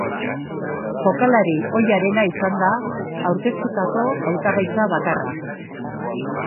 Jokalari ohiarena izan da aurkeztutako hautagaitza bakarra.